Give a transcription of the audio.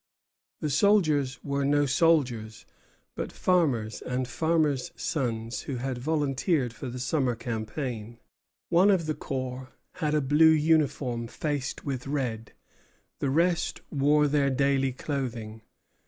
The soldiers were no soldiers, but farmers and farmers' sons who had volunteered for the summer campaign. One of the corps had a blue uniform faced with red. The rest wore their daily clothing.